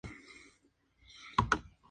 Pero el dato lingüístico, p. ej.